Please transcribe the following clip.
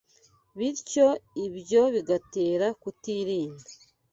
bityo ibyo bigatera kutirinda